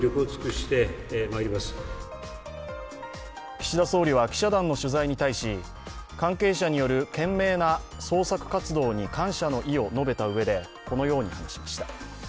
岸田総理は記者団取材に対し、関係者による懸命な捜索活動に感謝の意を述べたうえでこのように話しました。